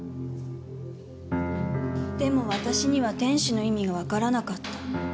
でも私には天使の意味がわからなかった。